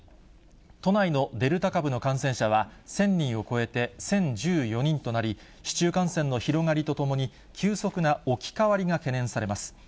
都内のデルタ株の感染者は１０００人を超えて１０１４人となり、市中感染の広がりとともに、急速な置き換わりが懸念されます。